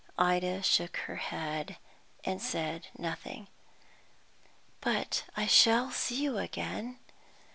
Ida shook her head, and said nothing. "But I shall see you again?"